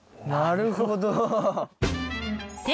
なるほど。